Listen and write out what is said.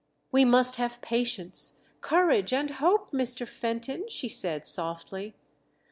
" We must have patience, courage and hope, Mr, Fenton," she said, softly.